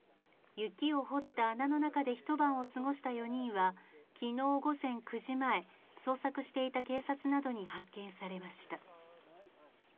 雪を掘った穴の中で一晩を過ごした４人は昨日午前９時前、捜索していた警察などに発見されました。